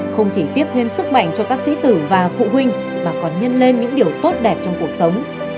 không chỉ tiếp thêm sức mạnh cho các sĩ tử và phụ huynh mà còn nhân lên những điều tốt đẹp trong cuộc sống